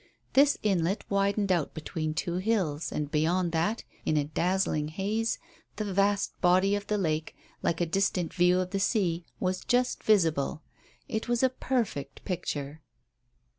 This inlet widened out between two hills, and, beyond that, in a dazzling haze, the vast body of the lake, like a distant view of the sea, was just visible. It was a perfect picture.